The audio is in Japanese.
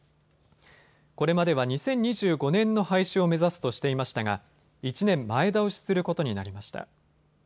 これまでは２０２５年の廃止を目指すとしていましたが１年前倒しすることになりました。